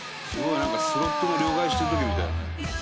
なんかスロットの両替してる時みたいだね。